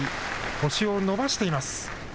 星を伸ばしています。